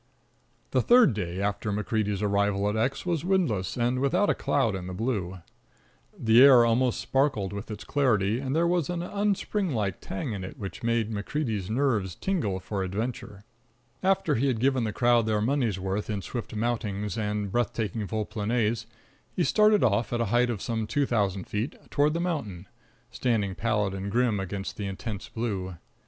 The third day after MacCreedy's arrival at X was windless and without a cloud in the blue. The air almost sparkled with its clarity, and there was an unspringlike tang in it which made MacCreedy's nerves tingle for adventure. After he had given the crowd their money's worth in swift mountings and breath taking vols planés, he started off, at a height of some two thousand feet, toward the mountain, standing pallid and grim against the intense blue.